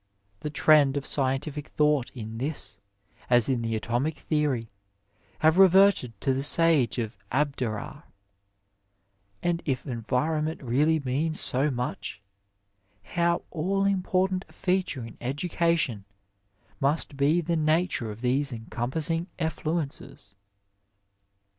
The trend of scientific thought in this, as in the atomic theory, has reverted to the Sage of Abdera ; and if environment really means so much, how all important a feature in educa tion must be the nature of these encompassing effluences.